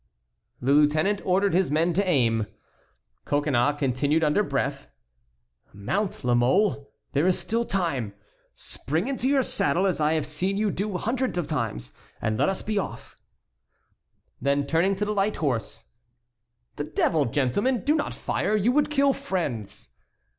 The lieutenant ordered his men to aim. Coconnas continued under breath: "Mount, La Mole, there is still time. Spring into your saddle as I have seen you do hundreds of times, and let us be off." Then turning to the light horse: "The devil, gentlemen, do not fire; you would kill friends."